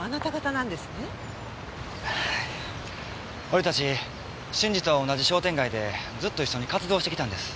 俺たち信二とは同じ商店街でずっと一緒に活動してきたんです。